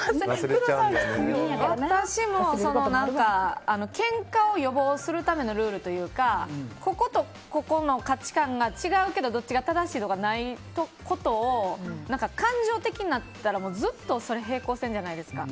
私もけんかを予防するためのルールというかこことここの価値観が違うけどどっちが正しいとかないことを感情的になったらずっと平行線じゃないですか。